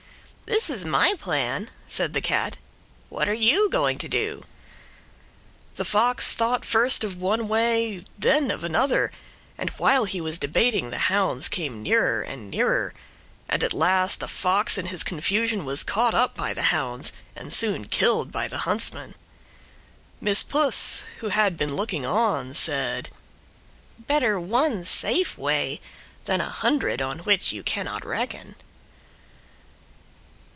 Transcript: "This is my plan," said the Cat. "What are you going to do?" The Fox thought first of one way, then of another, and while he was debating the hounds came nearer and nearer, and at last the Fox in his confusion was caught up by the hounds and soon killed by the huntsmen. Miss Puss, who had been looking on, said: "BETTER ONE SAFE WAY THAN A HUNDRED ON WHICH YOU CANNOT RECKON."